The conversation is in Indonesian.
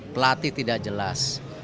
pelatih tidak jelas